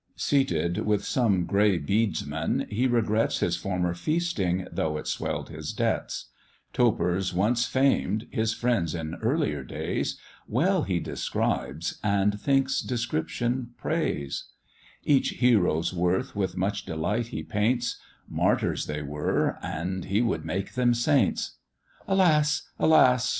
Seated with some gray beadsman, he regrets His former feasting, though it swell'd his debts; Topers once famed, his friends in earlier days, Well he describes, and thinks description praise: Each hero's worth with much delight he paints; Martyrs they were, and he would make them saints. "Alas! alas!"